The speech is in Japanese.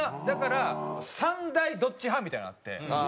だから３大どっち派みたいなのあって。